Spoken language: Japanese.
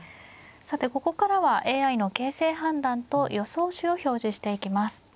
さてここからはＡＩの形勢判断と予想手を表示していきます。